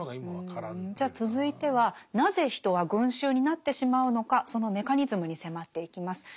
じゃあ続いてはなぜ人は群衆になってしまうのかそのメカニズムに迫っていきます。